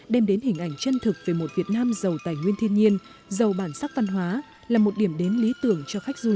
đem đến hình ảnh chân thực về một việt nam giàu tài nguyên thiên nhiên giàu bản sắc văn hóa là một điểm đến lý tưởng cho khách du lịch